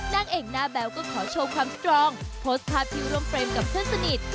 นางเอกหน้าแบ๊วก็ขอโชว์ความสตรองโพสต์ภาพที่ร่วมเฟรมกับเพื่อนสนิท